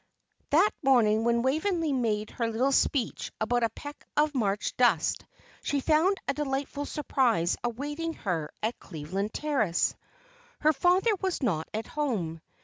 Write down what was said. That morning when Waveney made her little speech about a peck of March dust, she found a delightful surprise awaiting her at Cleveland Terrace. Her father was not at home.